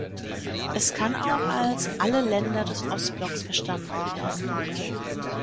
Es kann auch als alle Länder des Ostblocks verstanden werden.